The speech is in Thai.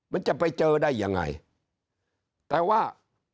มันจะไปเจอได้ยังไงแต่ว่า